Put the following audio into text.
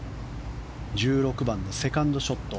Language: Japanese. １６番のセカンドショット。